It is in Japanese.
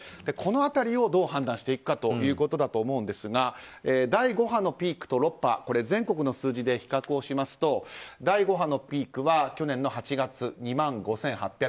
この辺りをどう判断していくかというところだと思いますが第５波のピークと６波全国の数字で比較をしますと第５波のピークは去年の８月、２万５８００人。